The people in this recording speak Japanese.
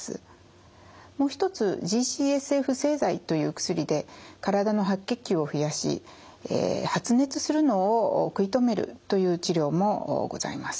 もう一つＧ−ＣＳＦ製剤という薬で体の白血球を増やし発熱するのを食い止めるという治療もございます。